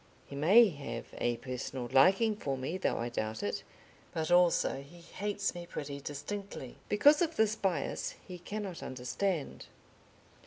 He may have a personal liking for me, though I doubt it, but also he hates me pretty distinctly, because of this bias he cannot understand.